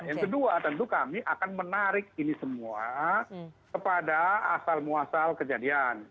yang kedua tentu kami akan menarik ini semua kepada asal muasal kejadian